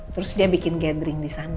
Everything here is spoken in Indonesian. terus dia bikin gathering di sana